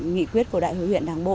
nghị quyết của đại hội huyện đảng bộ